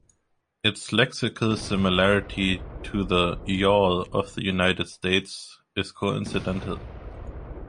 Its lexical similarity to the "y'all" of the United States is coincidental.